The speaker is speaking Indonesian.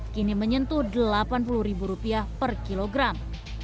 kini menyentuh rp delapan puluh per kilogram